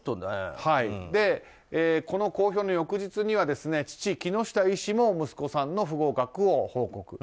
この公表の翌日には父・木下医師も息子さんの不合格を報告。